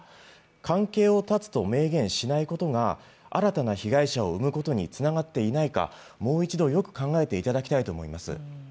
関係を断つと明言しないことが新たな被害者を生むことにつながっていないか、もう一度よく考えていただきたいと思います。